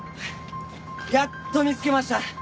やっと見つけました！